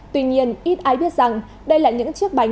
tuy nhiên ít ai biết rằng đây là những chiếc bánh